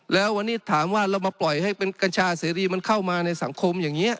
แล้ววันนี้ถามว่าเรามาปล่อยให้เป็นกัญชาเสรีมันเข้ามาในสังคมอย่างนี้